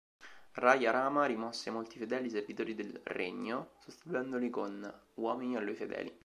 Raya Rama rimosse molti fedeli servitori del regno, sostituendoli con uomini a lui fedeli.